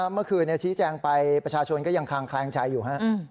เมื่อกรุณชี้แจ้งไปประชาชนยากลางคล้ายงใจอยู่